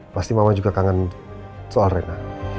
pasti mama juga kangen soal rena